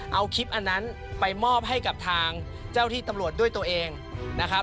เอาคลิปอันนั้นไปมอบให้กับทางเจ้าที่ตำรวจด้วยตัวเองนะครับ